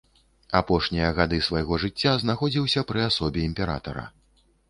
Апошнія гады свайго жыцця знаходзіўся пры асобе імператара.